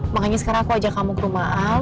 makanya sekarang aku ajak kamu ke rumah al